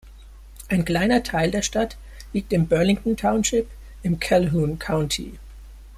Ein kleiner Teil der Stadt liegt im Burlington Township im Calhoun County.